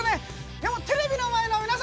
でもテレビの前の皆さん